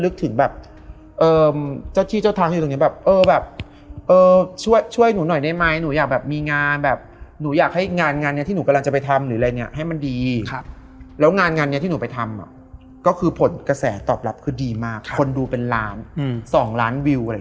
คือมันเป็นแบบนั้นนะครับเด็กเลือดร้อน